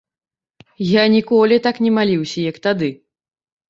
Я ніколі так не маліўся, як тады.